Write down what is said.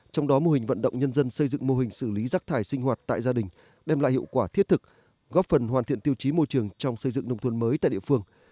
trong đó mô hình vận động nhân dân xây dựng mô hình xử lý rác thải sinh hoạt tại gia đình đem lại hiệu quả thiết thực góp phần hoàn thiện tiêu chí môi trường trong xây dựng nông thôn mới tại địa phương